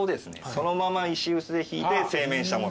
そのまま石臼でひいて製麺したもの。